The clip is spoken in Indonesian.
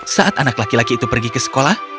saat anak laki laki itu pergi ke sekolah